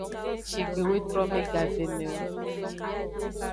Shigbe zetrome gavemewo.